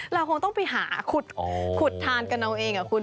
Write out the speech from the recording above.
เราคงต้องไปหาขุดทานกันเอาเองคุณ